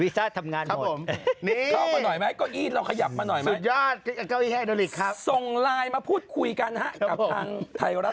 ส่งไลน์มาพูดคุยกันฮะ